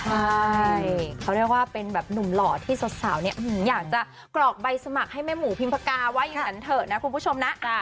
ใช่เขาเรียกว่าเป็นแบบหนุ่มหล่อที่สาวเนี่ยอยากจะกรอกใบสมัครให้แม่หมูพิมพกาว่าอย่างนั้นเถอะนะคุณผู้ชมนะ